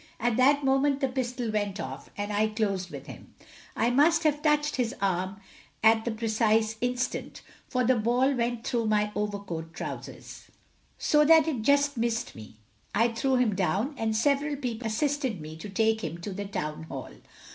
At that moment the pistol went off, and I closed with him. I must have touched his arm at the precise instant, for the ball went through my overcoat and trousers, so that it just missed me. I threw him down, and several people assisted me to take him to the Town Hall.